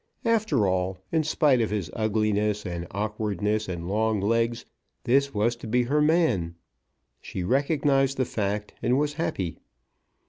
After all, in spite of his ugliness, and awkwardness, and long legs, this was to be her man. She recognised the fact, and was happy.